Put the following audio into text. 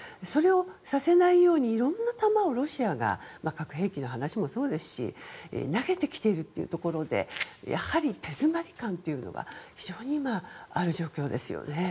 それをさせないように色んな球をロシアが核兵器の話もそうですし投げてきているというところでやはり手詰まり感というのが非常にある状況ですよね。